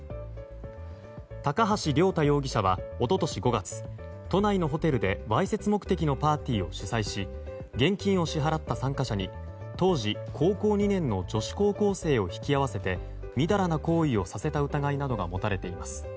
高橋亮太容疑者は一昨年５月都内のホテルでわいせつ目的のパーティーを主催し現金を支払った参加者に当時高校２年の女子高校生を引き合わせてみだらな行為をさせた疑いが持たれています。